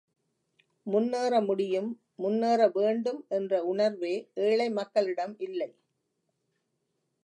முன்னேற முடியும், முன்னேறவேண்டும் என்ற உணர்வே ஏழை மக்களிடம் இல்லை!